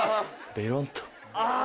ベロンと。